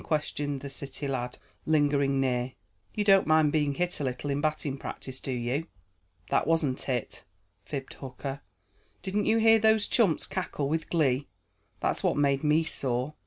questioned the city lad, lingering near. "You don't mind being hit a little in batting practice, do you?" "That wasn't it," fibbed Hooker. "Didn't you hear those chumps cackle with glee? That's what made me sore.